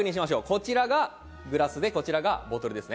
こちらがグラスでこちらがボトルです。